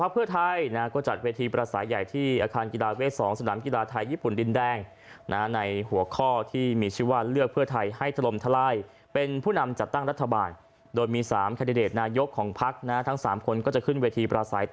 ไม่ใช่ที่ผมเรียนแล้วไงว่าพักใดหรือทุกพักไหนที่ร่วมรวมเสียงข้างมากนะครับ